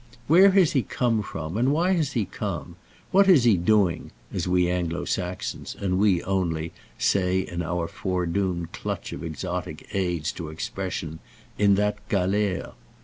Where has he come from and why has he come, what is he doing (as we Anglo Saxons, and we only, say, in our foredoomed clutch of exotic aids to expression) in that _galère?